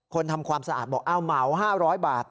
ทำความสะอาดบอกเหมา๕๐๐บาท